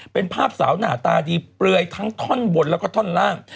เป็นภาพสาวหน้าตาดีเปลือยทั้งท่อนบนแล้วก็ท่อนล่าง